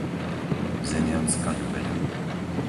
Zemianska Ľubeľa